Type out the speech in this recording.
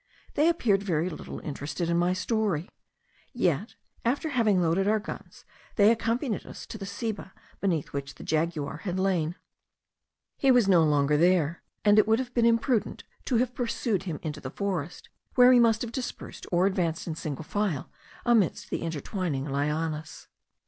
They appeared very little interested by my story; yet, after having loaded our guns, they accompanied us to the ceiba beneath which the jaguar had lain. He was there no longer, and it would have been imprudent to have pursued him into the forest, where we must have dispersed, or advanced in single file, amidst the intertwining lianas.